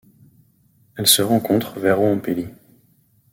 Elle se rencontre vers Oenpelli.